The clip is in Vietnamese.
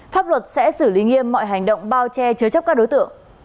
pháp luật sẽ xử lý nghiêm mọi hành động bao che chứa chấp các đối tượng